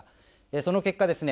その結果ですね